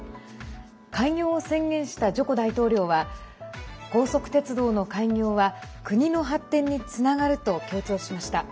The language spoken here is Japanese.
開業を宣言したジョコ大統領は高速鉄道の開業は国の発展につながると強調しました。